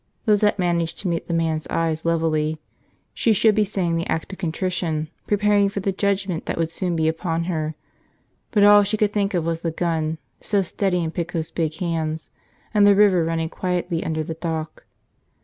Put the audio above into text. Lizette managed to meet the man's eyes levelly. She should be saying the Act of Contrition, preparing for the judgment that would soon be upon her; but all she could think of was the gun, so steady in Pico's big hands, and the river running quietly under the dock.